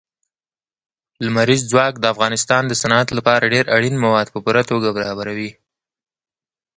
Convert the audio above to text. لمریز ځواک د افغانستان د صنعت لپاره ډېر اړین مواد په پوره توګه برابروي.